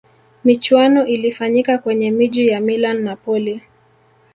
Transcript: michuano ilifanyika kwenye miji ya milan napoli